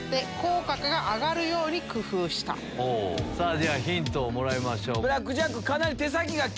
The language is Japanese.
ではヒントをもらいましょう。